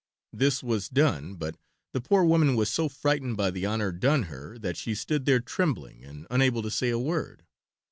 This was done, but the poor woman was so frightened by the honor done her that she stood there trembling and unable to say a word.